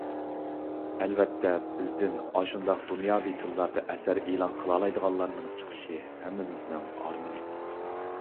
ئەلۋەتتە، بىزدىن ئاشۇنداق دۇنياۋى تىللاردا ئەسەر ئېلان قىلالايدىغانلارنىڭ چىقىشى ھەممىمىزنىڭ ئارمىنى.